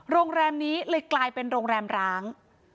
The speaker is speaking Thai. โรงแรมนี้เลยกลายเป็นโรงแรมร้าง